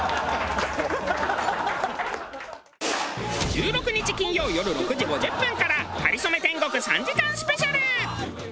１６日金曜よる６時５０分から『かりそめ天国』３時間スペシャル。